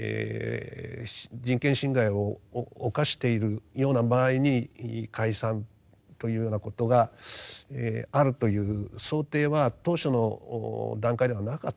人権侵害を犯しているような場合に解散というようなことがあるという想定は当初の段階ではなかっただろうと思いますね。